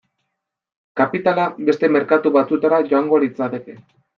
Kapitala beste merkatu batzuetara joango litzateke.